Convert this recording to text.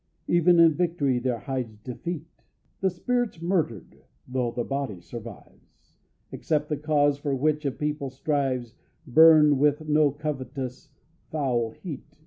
Even in victory there hides defeat; The spirit's murdered though the body survives, Except the cause for which a people strives Burn with no covetous, foul heat.